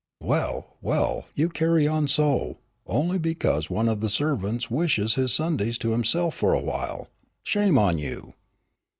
"Well, well, and you carry on so, only because one of the servants wishes his Sundays to himself for awhile? Shame on you!"